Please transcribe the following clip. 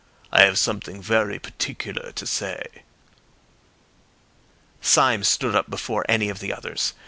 I have something very particular to say." Syme stood up before any of the others.